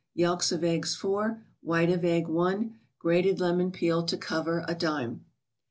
Yelks of eggs, 4 ; White of egg, 1 ; Grated Lemon peel to cover a dime.